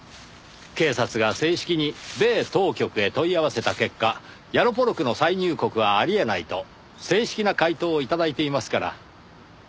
警察が正式に米当局へ問い合わせた結果ヤロポロクの再入国はあり得ないと正式な回答を頂いていますから。